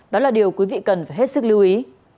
đó là điều quý vị cần phải hết sức lưu ý